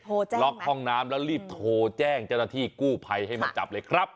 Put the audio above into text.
ล็อกห้องน้ำแล้วรีบโทรแจ้งเจ้าหน้าที่กู้ภัยให้มาจับเลยครับ